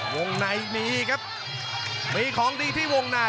วงในมีครับมีของดีที่วงใน